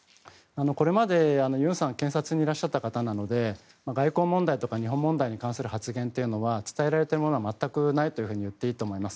これまで、ユンさんは検察にいらっしゃった方なので外交問題とか日本問題に対する発言は伝えられているものは全くないと言っていいと思います。